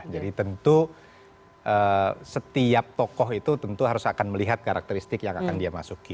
jadi tentu setiap tokoh itu tentu harus akan melihat karakteristik yang akan dia masuki